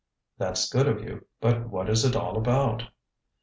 "That's good of you. But what is it all about?"